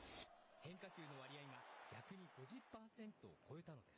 変化球の割合が逆に５０％を超えたのです。